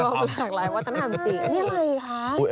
มันหลากหลายวัฒนธรรมจริงอันนี้อะไรคะ